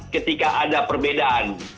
ketika ada perbedaan